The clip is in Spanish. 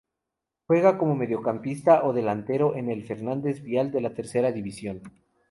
Juega como Mediocampista o delantero en el Fernández Vial de la Tercera División.